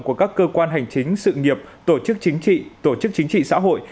của các cơ quan hành chính sự nghiệp tổ chức chính trị tổ chức chính trị xã hội